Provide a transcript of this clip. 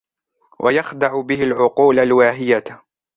وَيَخْدَعَ بِهِ الْعُقُولَ الْوَاهِيَةَ